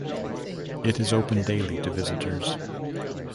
It is open daily to visitors.